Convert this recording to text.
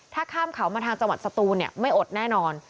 ถ้าข้ามเขามาทางจังหวัดสตูนไม่อดแน่นอน